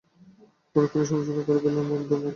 পরক্ষণেই সংশোধন করে বললেন, বন্দে মাতরং!